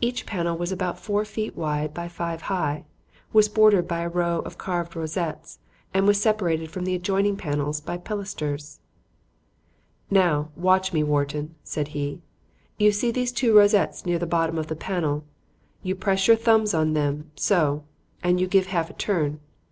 Each panel was about four feet wide by five high, was bordered by a row of carved rosettes and was separated from the adjoining panels by pilasters. "Now, watch me, Wharton," said he. "You see these two rosettes near the bottom of the panel. You press your thumbs on them, so; and you give a half turn.